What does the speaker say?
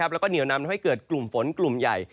แล้วก็เหนียวนำทำให้เกิดกลุ่มฝนกลุ่มใหญ่